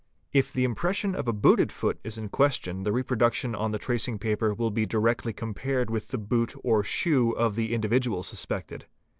If the impression of a booted foot is in question the reproduction on the tracing paper will be directly compared with the boot or shoe of the individual suspected.